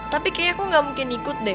tapi kayaknya aku gak mungkin ikut deh